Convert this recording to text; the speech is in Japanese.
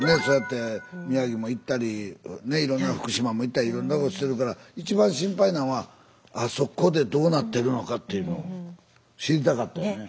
そうやって宮城も行ったりねいろんな福島も行ったりいろんなことしてるから一番心配なんはあそこでどうなってるのかっていうのを知りたかったよね。